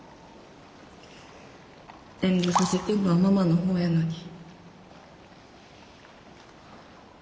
遠慮させてんのはママの方やのに。